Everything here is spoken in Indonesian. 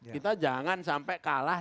kita jangan sampai kalah